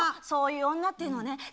そういう女っていうのはね